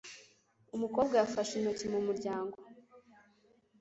Umukobwa yafashe intoki mu muryango.